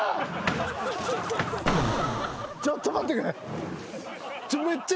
ちょっと待ってくれ。